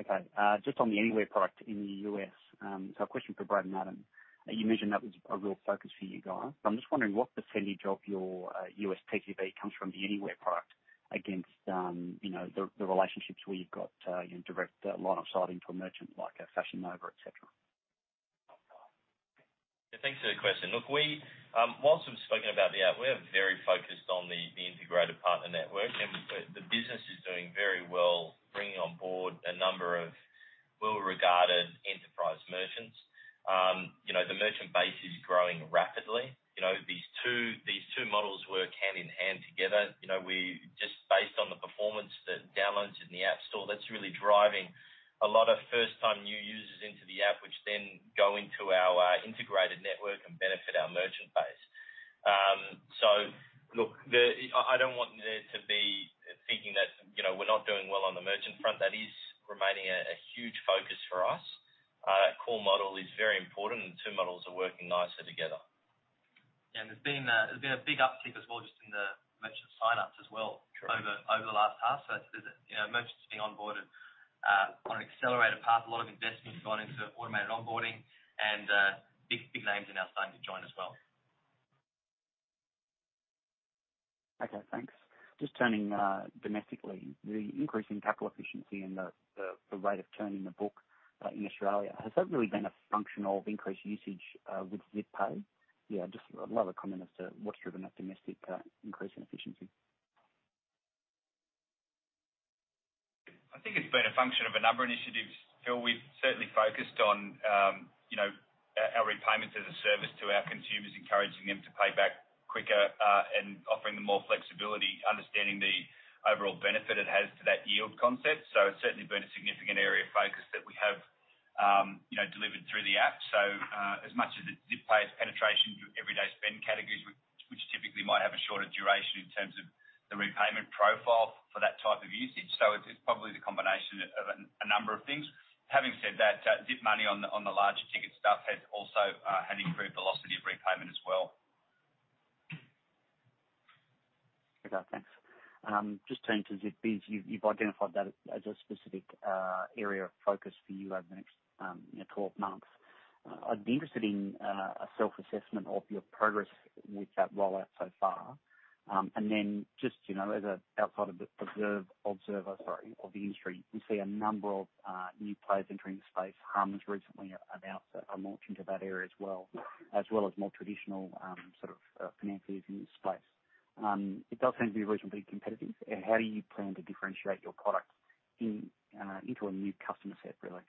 Okay. Just on the Anywhere product in the U.S., a question for Brad and Adam. You mentioned that was a real focus for you guys. I'm just wondering what percentage of your U.S. TTV comes from the Anywhere product against the relationships where you've got direct line of sight into a merchant like a Fashion Nova, et cetera? Yeah, thanks for the question. Look, whilst we've spoken about the app, we're very focused on the integrated partner network, and the business is doing very well, bringing on board a number of well-regarded enterprise merchants. The merchant base is growing rapidly. These two models work hand-in-hand together. Just based on the performance, the downloads in the App Store, that's really driving a lot of first-time new users into the app, which then go into our integrated network and benefit our merchant base. Look, I don't want there to be thinking that we're not doing well on the merchant front. Our core model is very important, and the two models are working nicely together. Yeah. There's been a big uptick as well just in the merchant sign-ups as well- Correct. -over the last half. Merchants are being onboarded on an accelerated path. A lot of investment has gone into automated onboarding and big names are now starting to join as well. Okay, thanks. Just turning domestically, the increase in capital efficiency and the rate of turning the book, in Australia, has that really been a function of increased usage, with Zip Pay? Yeah, just I'd love a comment as to what's driven that domestic increase in efficiency. I think it's been a function of a number of initiatives, Phil. We've certainly focused on our repayments as a service to our consumers, encouraging them to pay back quicker, and offering them more flexibility, understanding the overall benefit it has to that yield concept. It's certainly been a significant area of focus that we have delivered through the app. As much as it's Zip Pay's penetration to everyday spend categories, which typically might have a shorter duration in terms of the repayment profile for that type of usage. It's probably the combination of a number of things. Having said that, Zip Money on the larger ticket stuff has also had improved velocity of repayment as well. Okay, thanks. Just turning to Zip Business, you've identified that as a specific area of focus for you over the next 12 months. I'd be interested in a self-assessment of your progress with that rollout so far. Then just, as an outside observer, sorry, of the industry, we see a number of new players entering the space. Humm has recently announced a launch into that area as well, as well as more traditional sort of financiers in the space. It does seem to be reasonably competitive. How do you plan to differentiate your product into a new customer set, really?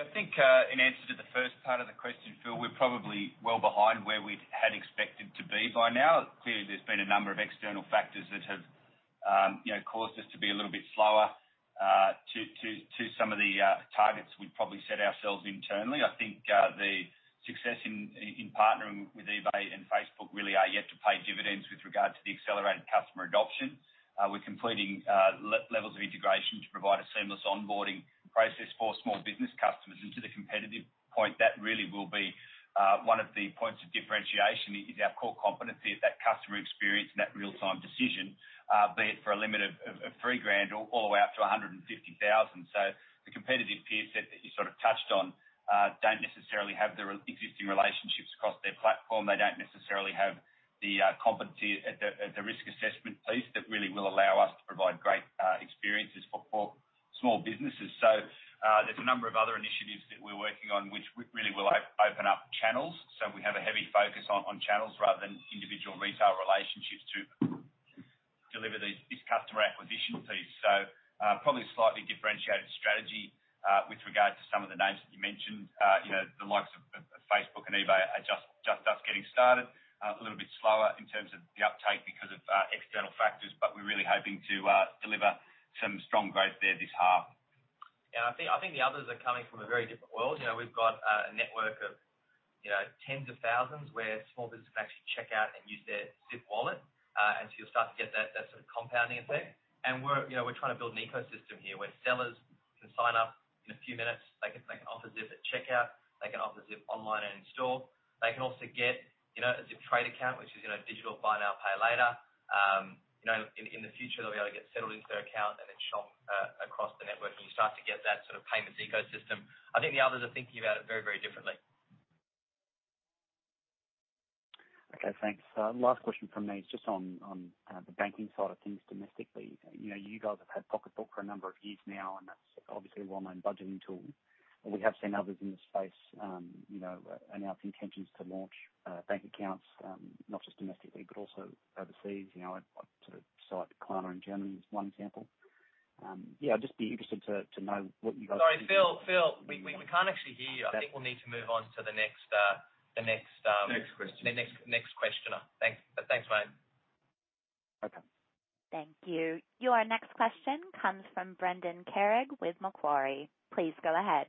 I think, in answer to the first part of the question, Phil, we're probably well behind where we had expected to be by now. Clearly, there's been a number of external factors that have caused us to be a little bit slower, to some of the targets we'd probably set ourselves internally. I think, the success in partnering with eBay and Facebook really are yet to pay dividends with regard to the accelerated customer adoption. We're completing levels of integration to provide a seamless onboarding process for small business customers into Zip Business. That really will be one of the points of differentiation, is our core competency of that customer experience and that real-time decision, be it for a limit of 3,000 all the way up to 150,000. The competitive peer set that you sort of touched on don't necessarily have the existing relationships across their platform. They don't necessarily have the competency at the risk assessment piece that really will allow us to provide great experiences for small businesses. There's a number of other initiatives that we're working on, which really will open up channels. We have a heavy focus on channels rather than individual retail relationships to deliver these customer acquisition piece. Probably a slightly differentiated strategy, with regard to some of the names that you mentioned. The likes of Facebook and eBay are just us getting started. A little bit slower in terms of the uptake because of external factors, but we're really hoping to deliver some strong growth there this half. Yeah, I think the others are coming from a very different world. We've got a network of tens of thousands where small business can actually check out and use their Zip wallet. You'll start to get that sort of compounding effect. We're trying to build an ecosystem here where sellers can sign up in a few minutes. They can offer Zip at checkout. They can offer Zip online and in store. They can also get a Zip trade account, which is digital buy now, pay later. In the future, they'll be able to get settled into their account and then shop across the network, you start to get that sort of payments ecosystem. I think the others are thinking about it very, very differently. Okay, thanks. Last question from me is just on the banking side of things domestically. You guys have had Pocketbook for a number of years now, and that's obviously a well-known budgeting tool. We have seen others in the space announce intentions to launch bank accounts, not just domestically, but also overseas. I'd sort of cite Klarna in Germany as one example. Yeah, I'd just be interested to know what you guys- Sorry, Phil. Phil, we can't actually hear you. I think we'll need to move on to the next- Next question. -the next questioner. Thanks. Thanks, mate. Okay. Thank you. Your next question comes from Brendan Carrig with Macquarie. Please go ahead.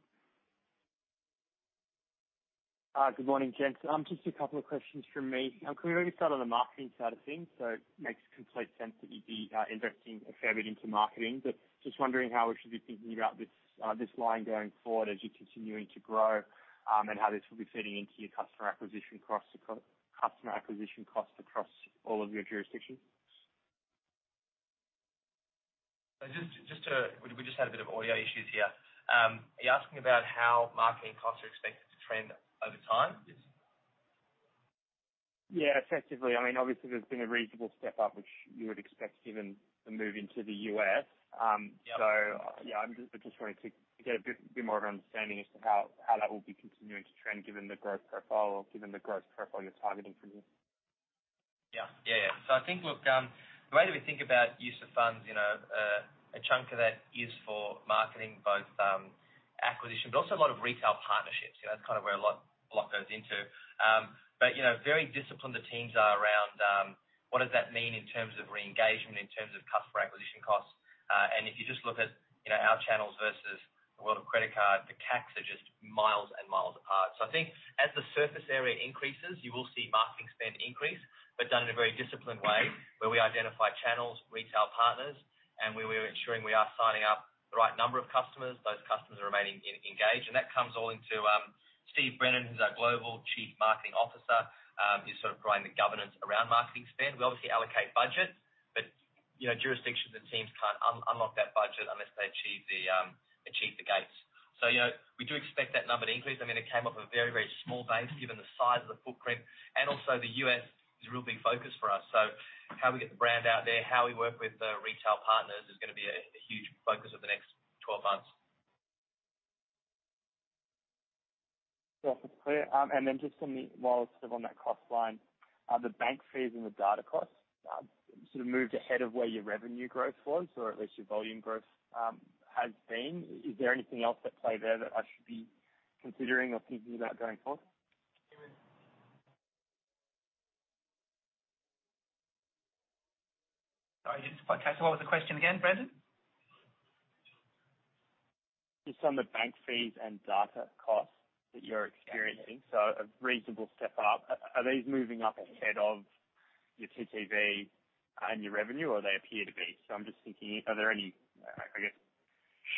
Good morning, gents. Just a couple of questions from me. Can we maybe start on the marketing side of things? It makes complete sense that you'd be investing a fair bit into marketing, but just wondering how we should be thinking about this line going forward as you're continuing to grow, and how this will be feeding into your customer acquisition costs across all of your jurisdictions. We just had a bit of audio issues here. Are you asking about how marketing costs are expected to trend over time? Yeah, effectively. Obviously, there's been a reasonable step-up, which you would expect given the move into the U.S. Yep. I'm just wanting to get a bit more of an understanding as to how that will be continuing to trend given the growth profile you're targeting from here. I think, look, the way that we think about use of funds, a chunk of that is for marketing, both acquisition, but also a lot of retail partnerships. That's kind of where a lot goes into. Very disciplined the teams are around what does that mean in terms of re-engagement, in terms of customer acquisition costs. If you just look at our channels versus the world of credit cards tax are just miles and miles apart. I think as the surface area increases, you will see marketing spend increase, but done in a very disciplined way, where we identify channels, retail partners, and where we're ensuring we are signing up the right number of customers, those customers are remaining engaged. That comes all into Steve Brennen, who's our Global Chief Marketing Officer. He's sort of growing the governance around marketing spend. We obviously allocate budget, but jurisdictions and teams can't unlock that budget unless they achieve the gates. We do expect that number to increase. It came off a very, very small base given the size of the footprint, and also the U.S. is a real big focus for us. How we get the brand out there, how we work with retail partners is going to be a huge focus over the next 12 months. Yeah, that's clear. Just while still on that cost line, the bank fees and the data costs, sort of moved ahead of where your revenue growth was or at least your volume growth has been. Is there anything else that play there that I should be considering or thinking about going forward? Sorry, I didn't quite catch. What was the question again, Brendan? Just on the bank fees and data costs that you're experiencing. A reasonable step up. Are these moving up ahead of your TTV and your revenue, or they appear to be? I'm just thinking, are there any, I guess,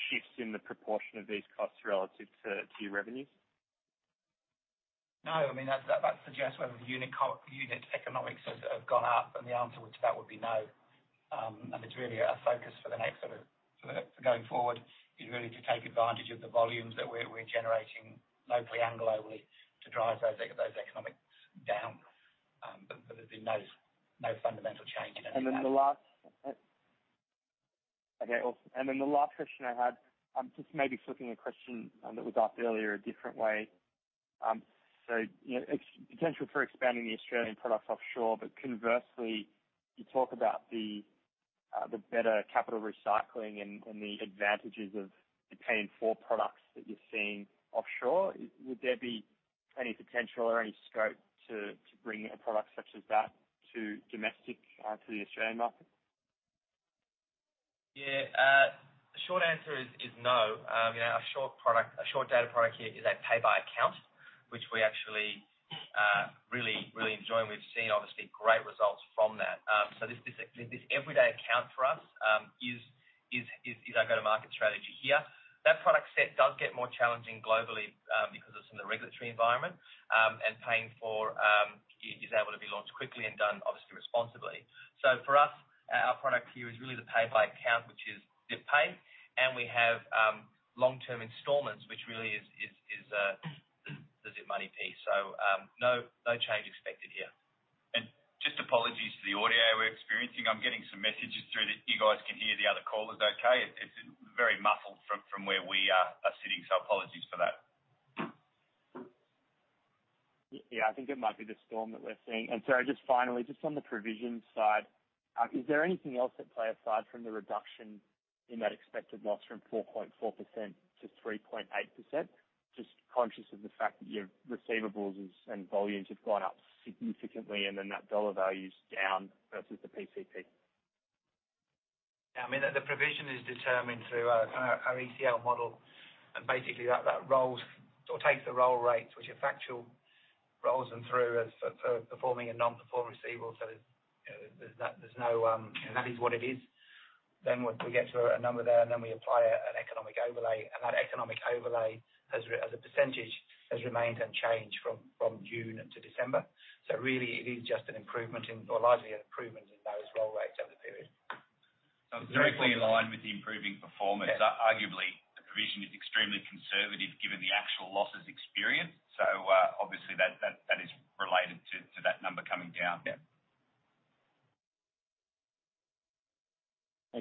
shifts in the proportion of these costs relative to your revenues? No, that suggests whether the unit economics have gone up, and the answer to that would be no. It's really a focus for the next sort of, going forward, is really to take advantage of the volumes that we're generating locally and globally to drive those economics down. There's been no fundamental change in any of that. Okay, awesome. Then the last question I had, just maybe flipping a question that was asked earlier a different way. Potential for expanding the Australian products offshore, but conversely, you talk about the better capital recycling and the advantages of paying for products that you're seeing offshore. Would there be any potential or any scope to bring a product such as that to domestic, to the Australian market? The short answer is no. Our short-dated product here is our pay-by-account, which we actually really enjoying. We've seen obviously great results from that. This everyday account for us is our go-to-market strategy here. That product set does get more challenging globally, because of some of the regulatory environment, and is able to be launched quickly and done, obviously, responsibly. For us, our product here is really the pay-by-account which is Zip Pay, and we have long-term installments which really is the Zip Money piece. No change expected here. Just apologies for the audio we're experiencing. I'm getting some messages through that you guys can hear the other callers okay. It's very muffled from where we are sitting, apologies for that. Yeah, I think it might be the storm that we're seeing. Just finally, just on the provisions side, is there anything else at play aside from the reduction in that expected loss from 4.4% to 3.8%? Just conscious of the fact that your receivables and volumes have gone up significantly, and then that dollar value's down versus the PCP. Yeah, the provision is determined through our ECL model. Basically that takes the roll rates, which are factual, rolls them through as performing and non-performing receivables. That is what it is. We get to a number there, and then we apply an economic overlay. That economic overlay, as a percentage, has remained unchanged from June to December. Really it is just an improvement in, or largely an improvement in those roll rates over the period. Directly in line with the improving performance. Yeah. Arguably, the provision is extremely conservative given the actual losses experienced. Obviously that is related to that number coming down. Yeah.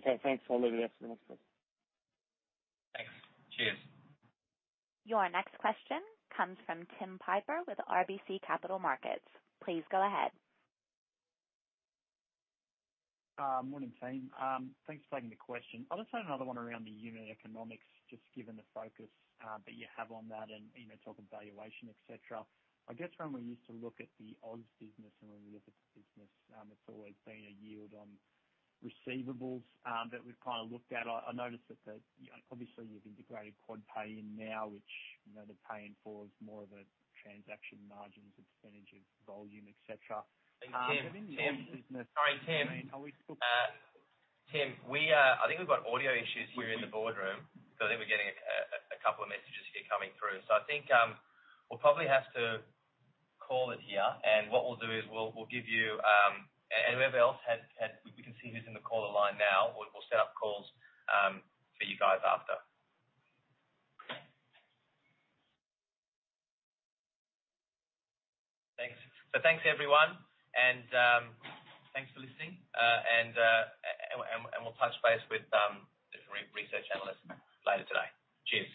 Okay, thanks. I'll leave it there for the next person. Thanks. Cheers. Your next question comes from Tim Piper with RBC Capital Markets. Please go ahead. Morning, team. Thanks for taking the question. I'll just add another one around the unit economics, just given the focus that you have on that and talk of valuation, et cetera. I guess when we used to look at the Oz business and when we look at the business, it's always been a yield on receivables that we've kind of looked at. I noticed that obviously you've integrated QuadPay in now, which the paying for is more of a transaction margins, percentage of volume, et cetera. Tim. in the Oz business- Sorry, Tim. Are we still- Tim, I think we've got audio issues here in the boardroom. I think we're getting a couple of messages here coming through. I think we'll probably have to call it here, and what we'll do is we'll give you Whoever else had, we can see who's in the caller line now. We'll set up calls for you guys after. Thanks. Thanks, everyone, and thanks for listening. We'll touch base with the research analysts later today. Cheers.